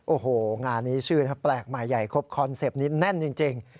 โอ้โหงานนี้ชื่อแปลกใหม่ใหญ่ครบคอนเซ็ปต์นี้แน่นจริง